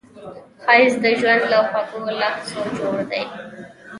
ښایست د ژوند له خوږو لحظو جوړ دی